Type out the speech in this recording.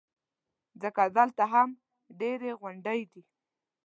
ځکه دلته هم ډېرې غونډۍ دي.